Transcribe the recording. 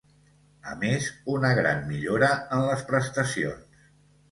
A més, una gran millora en les prestacions.